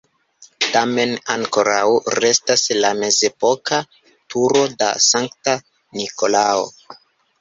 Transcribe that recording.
Tamen ankoraŭ restas la mezepoka turo de Sankta Nikolao.